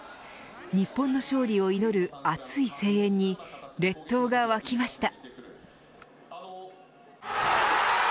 日本の勝利を祈る熱い声援に列島が沸きました。